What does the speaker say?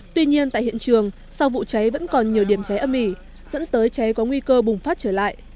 tuy nhiên tại hiện trường sau vụ cháy vẫn còn nhiều điểm cháy âm ỉ dẫn tới cháy có nguy cơ bùng phát trở lại